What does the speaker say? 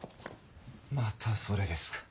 またそれですか。